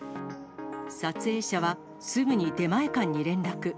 撮影者は、すぐに出前館に連絡。